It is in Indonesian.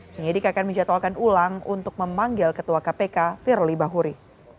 penyidik akan menjatuhkan ulang untuk memanggil ketua kpk firly bahuri